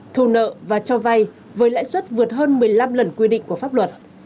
thu nợ và cho vay với lãi suất vượt hơn một mươi năm lần quy định của pháp luật